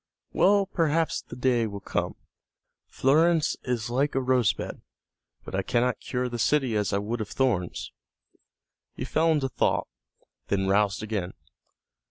Well, perhaps the day will come. Florence is like a rose bed, but I cannot cure the city as I would of thorns." He fell into thought, then roused again.